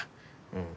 うん。